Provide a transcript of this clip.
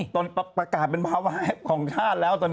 ประกาศเป็นภาวะของชาติแล้วตอนนี้